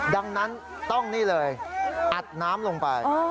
ดังนั้นต้องนี่เลยอัดน้ำลงไป